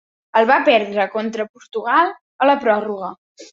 El va perdre contra Portugal a la pròrroga.